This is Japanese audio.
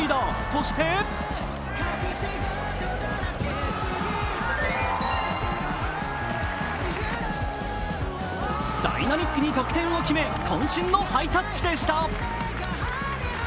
そしてダイナミックに得点を決めこん身のハイタッチでした。